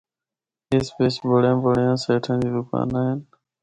اس بچ بڑیاں بڑیاں سیٹھاں دی دوکاناں ہن۔